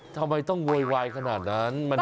ทำไมต้องโวยวายขนาดนั้น